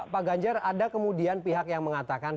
pak ganjar ada kemudian pihak yang mengatakan